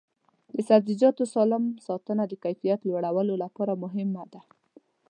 د سبزیجاتو سالم ساتنه د کیفیت لوړولو لپاره مهمه ده.